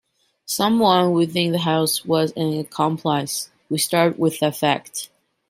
Some one within the house was an accomplice — we start with that fact.